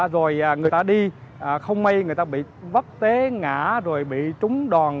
rồi người ta đi không may người ta bị vấp tế ngã rồi bị trúng đòn